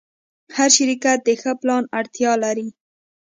هر شرکت د ښه پلان اړتیا لري.